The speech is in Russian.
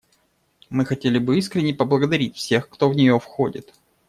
Мы хотели бы искренне поблагодарить всех, кто в нее входит.